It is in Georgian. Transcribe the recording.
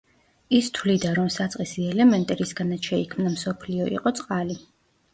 ის თვლიდა, რომ საწყისი ელემენტი, რისგანაც შეიქმნა მსოფლიო იყო წყალი.